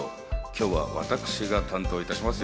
今日は私が担当いたします。